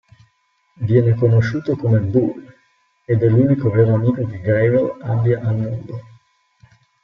Viene conosciuto come "Bull" ed è l'unico vero amico che Gravel abbia al mondo.